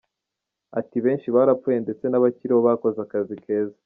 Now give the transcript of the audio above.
Ati “Benshi barapfuye ndetse n’abakiriho bakoze akazi keza.